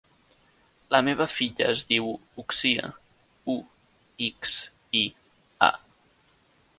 La meva filla es diu Uxia: u, ics, i, a.